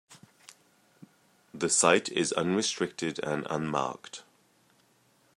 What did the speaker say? The site is unrestricted and unmarked.